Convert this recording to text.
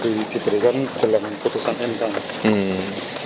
kurat itu kan diberikan jelang putusan m kang